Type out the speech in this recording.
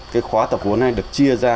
cái khóa tập huấn này được chia ra